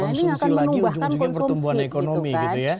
konsumsi lagi ujung ujungnya pertumbuhan ekonomi gitu ya